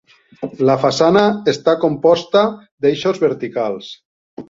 La façana està composta d'eixos verticals.